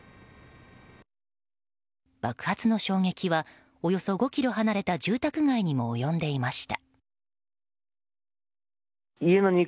爆発の衝撃はおよそ５ｋｍ離れた住宅街にも及んでいました。